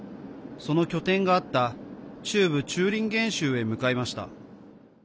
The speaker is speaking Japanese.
その拠点があった中部チューリンゲン州へ向かいました。